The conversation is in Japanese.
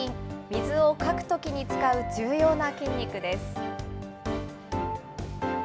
水をかくときに使う重要な筋肉です。